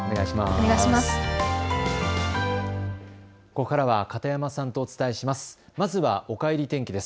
ここからは片山さんとお伝えします。